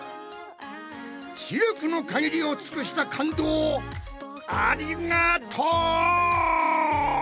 知力のかぎりを尽くした感動をありがとう！